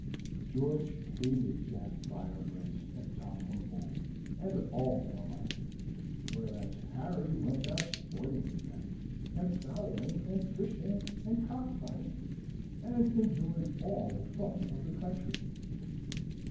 George hated Jack Firebrace and Tom Humbold, and all their like; whereas Harry went out sporting with them, and fowling, and fishing, and cock fighting, and enjoyed all the fun of the country.